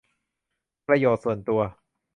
ประโยชน์ส่วนตัว